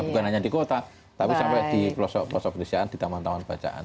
bukan hanya di kota tapi sampai di pelosok pelosok perdesaan di taman taman bacaan